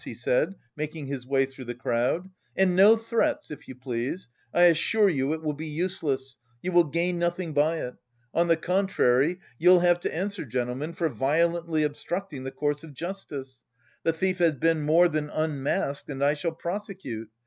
he said, making his way through the crowd. "And no threats, if you please! I assure you it will be useless, you will gain nothing by it. On the contrary, you'll have to answer, gentlemen, for violently obstructing the course of justice. The thief has been more than unmasked, and I shall prosecute.